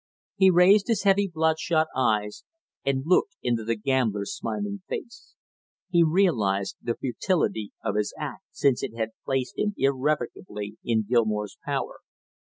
He raised his heavy bloodshot eyes and looked into the gambler's smiling face. He realized the futility of his act, since it had placed him irrevocably in Gilmore's power.